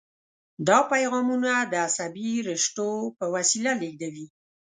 دا پیغامونه د عصبي رشتو په وسیله لیږدوي.